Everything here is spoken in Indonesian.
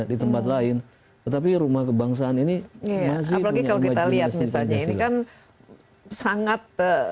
di tempat lain tetapi rumah kebangsaan ini masih punya imajinasi pancasila apalagi kalau kita lihat misalnya ini kan sangat